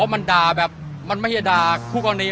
ไม่ได้คุกกับอันนี้